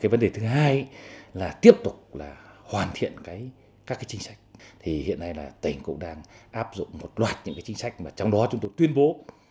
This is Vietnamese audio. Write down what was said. vấn đề thứ hai là tiếp tục hoàn thiện các chính sách thì hiện nay là tỉnh cũng đang áp dụng một loạt những chính sách mà trong đó chúng tôi tuyên bố